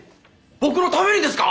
僕のためにですか！？